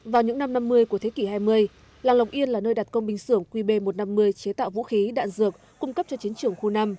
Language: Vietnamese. vào những năm năm mươi của thế kỷ hai mươi làng lộc yên là nơi đặt công binh xưởng qb một trăm năm mươi chế tạo vũ khí đạn dược cung cấp cho chiến trường khu năm